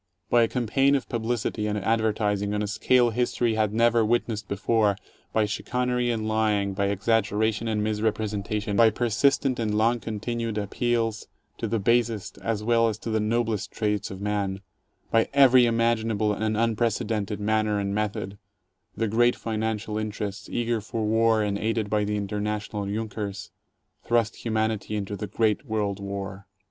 By a campaign of publicity and advertising on a scale history had never [witnessed before, by chicanery and lying, by exaggeration and misrepresentation, by persistent and long continued appeals to the basest as well as to the noblest traits of man, by every imaginable and unprecedented manner and method, the great financial interests, eager for war and aided by the international Junkers, thrust humanity into the great world war.